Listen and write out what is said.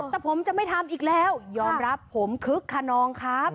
แต่ผมจะไม่ทำอีกแล้วยอมรับผมคึกขนองครับ